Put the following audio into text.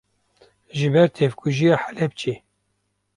ji ber tevkujiya Helepçê